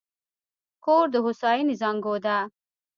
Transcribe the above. کور د هوساینې زانګو ده.